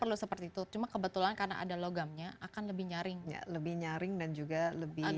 perlu seperti itu cuma kebetulan karena ada logamnya akan lebih nyaring lebih nyaring dan juga lebih